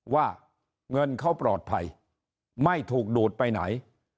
ว่าเงินเขาปลอดภัยไม่ถูกดูดไปไหน